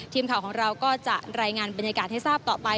ทีมข่าวของเราก็จะรายงานบรรยากาศให้ทราบต่อไป